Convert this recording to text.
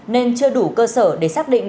nên chưa đủ cơ sở để xác định